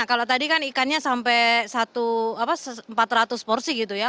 kalau tadi kan ikannya sampai empat ratus porsi gitu ya